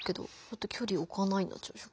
「距離をおかない」になっちゃうでしょ